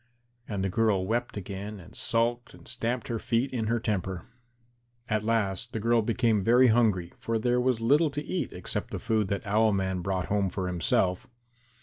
And the girl wept again and sulked and stamped her feet in her temper. At last the girl became very hungry, for there was little to eat except the food that Owl man brought home for himself.